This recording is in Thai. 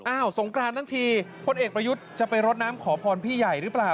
สงกรานทั้งทีพลเอกประยุทธ์จะไปรดน้ำขอพรพี่ใหญ่หรือเปล่า